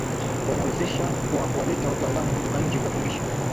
Wanawawezesha kwa kuwaletea wataalamu kutoka nje kuwafundisha